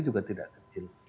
juga tidak kecil